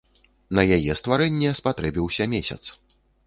На яе стварэнне спатрэбіўся месяц.